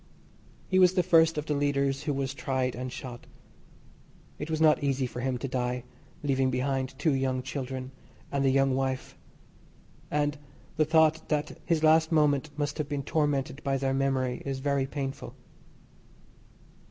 He was the first of the leaders who was tried and shot. It was not easy for him to die leaving behind two young children and a young wife, and the thought that his last moment must have been tormented by their memory is very painful.